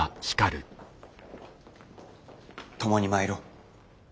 共に参ろう。